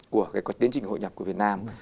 của cái tiến trình hội nhập của việt nam